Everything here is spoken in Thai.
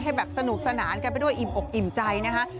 แบบสนุกสนานกันไปด้วยอิ่มอกอิ่มใจนะคะ